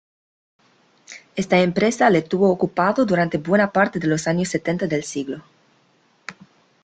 Esta empresa le tuvo ocupado durante buena parte de los años setenta del siglo.